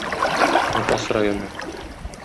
Апас районы.